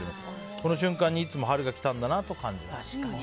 この瞬間にいつも春が来たんだなと感じます。